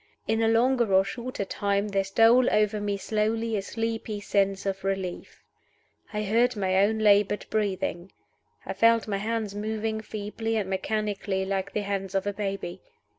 In a longer or shorter time there stole over me slowly a sleepy sense of relief. I heard my own labored breathing. I felt my hands moving feebly and mechanically, like the hands of a baby.